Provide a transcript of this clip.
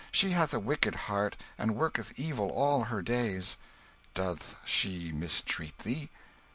She hath a wicked heart, and worketh evil all her days." "Doth she mistreat thee?"